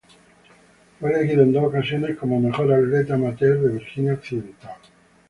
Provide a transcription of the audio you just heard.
Fue elegido en dos ocasiones como mejor atleta amateur de Virginia Occidental.